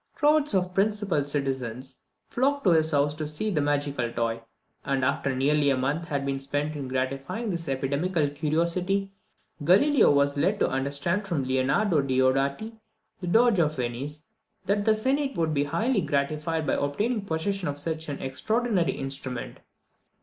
Crowds of the principal citizens flocked to his house to see the magical toy; and after nearly a month had been spent in gratifying this epidemical curiosity, Galileo was led to understand from Leonardo Deodati, the Doge of Venice, that the senate would be highly gratified by obtaining possession of so extraordinary an instrument.